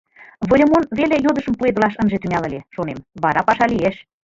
«Выльымон веле йодышым пуэдылаш ынже тӱҥал ыле, — шонем, — вара паша лиеш!